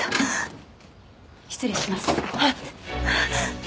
失礼します。